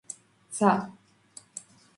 ცა